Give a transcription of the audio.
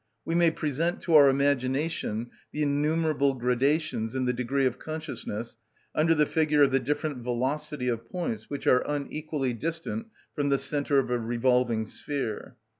We may present to our imagination the innumerable gradations in the degree of consciousness under the figure of the different velocity of points which are unequally distant from the centre of a revolving sphere.